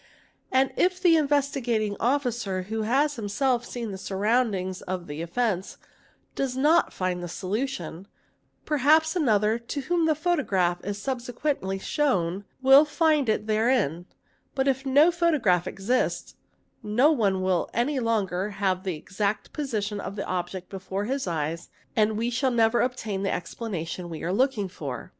And if the Investigating Officer who h himself seen the surroundings of the offence does not find the solutic perhaps another to whom the photograph is subsequently shown, W find it therein: but if no photograph exists, no one will any longer ha PHOTOGRAPHY——PARTICULAR CASES 253 the exact position of the object before his eyes and we shall never obtain the explanation we are looking for.